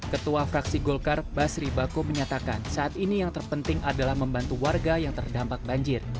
ketua fraksi golkar basri bako menyatakan saat ini yang terpenting adalah membantu warga yang terdampak banjir